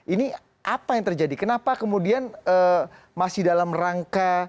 ini apa yang terjadi kenapa kemudian masih dalam rangka